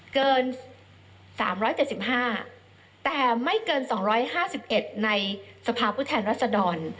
เกิน๓๗๕แต่ไม่เกิน๒๕๑ในสภาพผู้แทนรัศดร